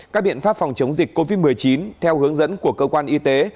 các biện pháp phòng chống dịch covid một mươi chín theo hướng dẫn của cơ quan y tế